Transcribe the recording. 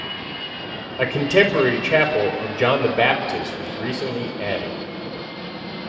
A contemporary chapel of John the Baptist was recently added.